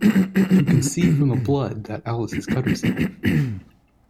You can see from the blood that Alice has cut herself